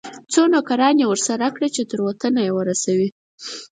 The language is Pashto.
څو نوکران یې ورسره کړه چې تر وطنه یې ورسوي.